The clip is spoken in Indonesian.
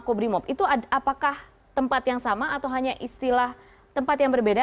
pusat pusat itu adalah tempat yang sama atau hanya istilah tempat yang berbeda